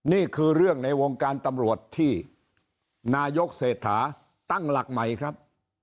นี่คือเรื่องในวงการตำรวจที่นายกเศรษฐาตั้งหลักใหม่ครับ